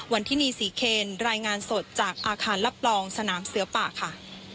ทินีศรีเคนรายงานสดจากอาคารรับรองสนามเสือป่าค่ะ